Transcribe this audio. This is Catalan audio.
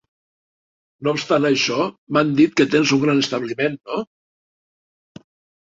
No obstant això, m'han dit que tens un gran establiment, no?